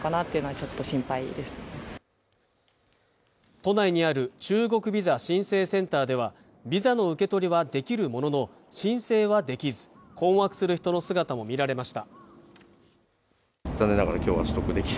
都内にある中国ビザ申請センターではビザの受け取りはできるものの申請はできず困惑する人の姿も見られました